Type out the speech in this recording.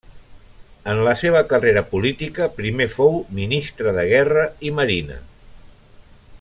En la seva carrera política, primer fou Ministre de Guerra i Marina.